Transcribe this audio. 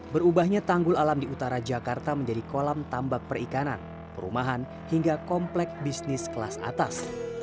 berubahnya tanggul alam di utara jakarta menjadi kolam tambak perikanan perumahan hingga komplek bisnis kelas atas